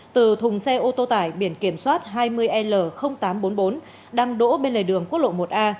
từ thùng xe ô tô tải biển kiểm soát hai mươi l tám trăm bốn mươi bốn đang đỗ bên lề đường quốc lộ một a